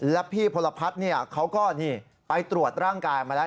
แล้วพี่พลพัฒน์เขาก็ไปตรวจร่างกายมาแล้ว